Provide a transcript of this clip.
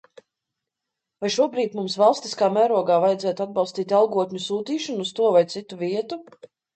Vai šobrīd mums valstiskā mērogā vajadzētu atbalstīt algotņu sūtīšanu uz to vai citu vietu?